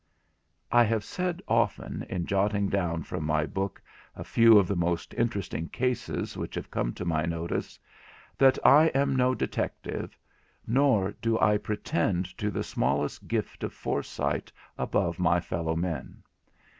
I have said often, in jotting down from my book a few of the most interesting cases which have come to my notice, that I am no detective, nor do I pretend to the smallest gift of foresight above my fellow men.